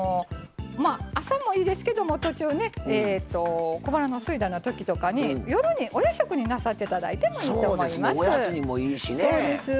朝もいいですけど途中小腹のすいたようなとき夜にお夜食にしていただいてもいいと思います。